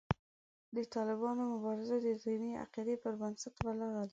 د طالبانو مبارزه د دیني عقیدې پر بنسټ ولاړه ده.